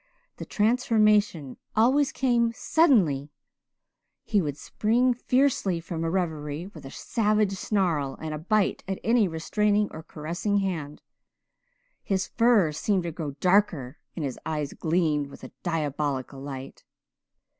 The transformation always came suddenly. He would spring fiercely from a reverie with a savage snarl and bite at any restraining or caressing hand. His fur seemed to grow darker and his eyes gleamed with a diabolical light.